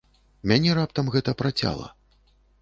Мяне раптам гэта працяла.